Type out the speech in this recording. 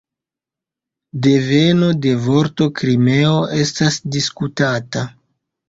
Deveno de vorto "Krimeo" estas diskutata.